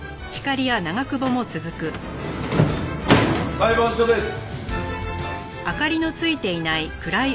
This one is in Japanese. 裁判所です。